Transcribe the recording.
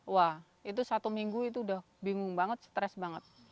wah itu satu minggu itu udah bingung banget stres banget